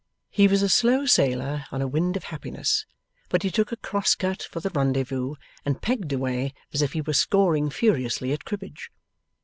He was a slow sailer on a wind of happiness, but he took a cross cut for the rendezvous, and pegged away as if he were scoring furiously at cribbage.